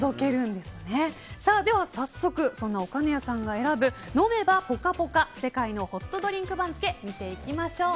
では早速そんな岡根谷さんが選ぶ飲めばポカポカ世界のホットドリンク番付見ていきましょう。